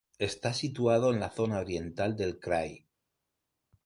Está situado en la zona oriental del krai.